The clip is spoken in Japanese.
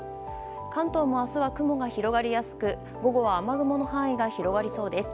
関東も明日は雲が広がりやすく午後は雨雲の範囲が広がりそうです。